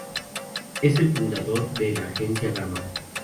Es el fundador de la agencia Gamma.